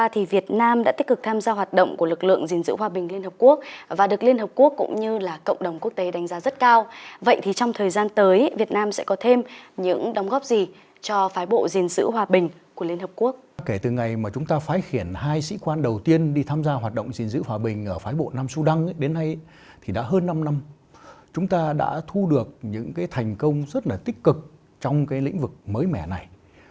thì đã hơn năm năm chúng ta đã thu được những cái thành công rất là tích cực trong cái lĩnh vực mới mẻ này